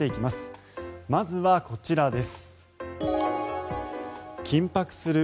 まずはこちらです。